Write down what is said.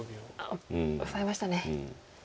オサえましたね。